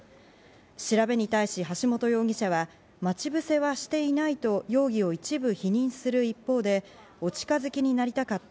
調べに対し、橋本容疑者は待ち伏せはしていないと容疑を一部否認する一方で、お近づきになりたかった。